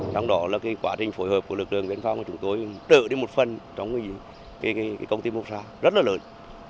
trong đó là quá trình phối hợp của lực lượng biên phòng của chúng tôi trợ đi một phần trong công ty mốc sáu rất là lớn